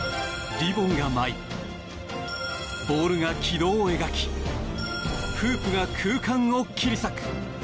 リボンが舞いボールが軌道を描きフープが空間を切り裂く。